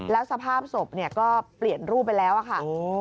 แล้วสภาพศพก็เปลี่ยนรูปไปแล้วค่ะ